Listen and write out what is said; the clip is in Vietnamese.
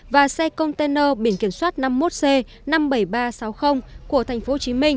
và xe container biển kiểm soát năm mươi một c năm mươi bảy nghìn ba trăm sáu mươi của tp hcm